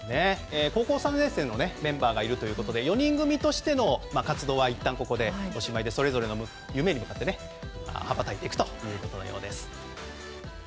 高校３年生のメンバーがいるということで４人組としての活動はいったんここでおしまいでそれぞれの夢に向かって羽ばたいていくということです。